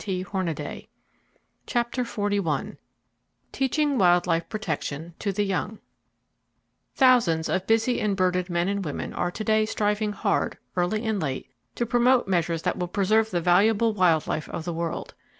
[Page 376] CHAPTER XLI TEACHING WILD LIFE PROTECTION TO THE YOUNG Thousands of busy and burdened men and women are to day striving hard, early and late, to promote measures that will preserve the valuable wild life of the world.